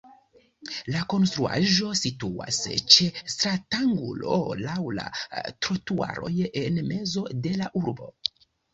La konstruaĵo situas ĉe stratangulo laŭ la trotuaroj en mezo de la urbo.